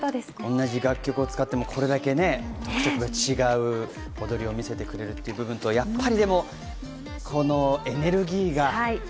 同じ楽曲を使ってもこれだけ特色が違う踊りを見せてくれる部分とこのエネルギーが。